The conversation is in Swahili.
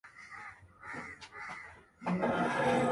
Mkulima anweza kulima viazi lishe hata msimu wa mvua chache